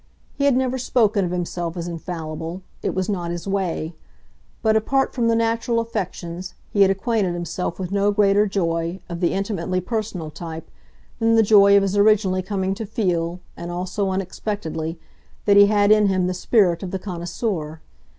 He had never spoken of himself as infallible it was not his way; but, apart from the natural affections, he had acquainted himself with no greater joy, of the intimately personal type, than the joy of his originally coming to feel, and all so unexpectedly, that he had in him the spirit of the connoisseur.